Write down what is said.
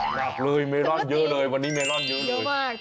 หนักเลยเมลอนเยอะเลยวันนี้เมลอนเยอะเลย